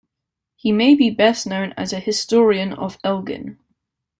He may be best known as a historian of Elgin.